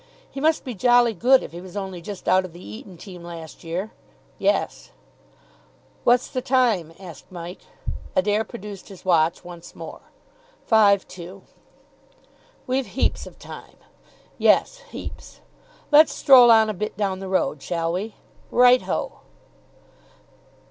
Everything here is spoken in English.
"He must be jolly good if he was only just out of the Eton team last year." "Yes." "What's the time?" asked Mike. Adair produced his watch once more. "Five to." "We've heaps of time." "Yes, heaps." "Let's stroll on a bit down the road, shall we?" "Right ho!"